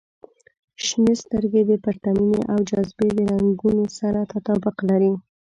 • شنې سترګې د پرتمینې او جاذبې د رنګونو سره تطابق لري.